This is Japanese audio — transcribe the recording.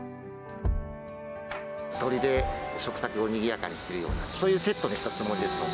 鶏で食卓をにぎやかにするような、そういうセットにしたつもりですので。